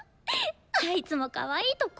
あいつもかわいいとこ。